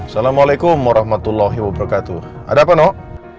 salamualaikum warahmatullahi wabarakatuh ada penuh